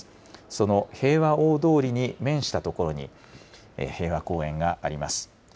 その平和大通りに面した所に、平和公園があります。